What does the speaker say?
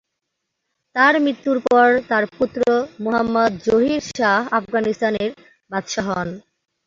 তার মৃত্যুর পর তার পুত্র মুহাম্মদ জহির শাহ আফগানিস্তানের বাদশাহ হন।